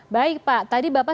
baik pak tadi bapak